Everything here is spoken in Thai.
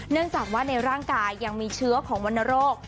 เนื่องจากว่าในร่างกายยังมีเชื้อของวรรณโรค